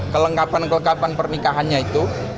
kelengkapan kelengkapan pernikahannya itu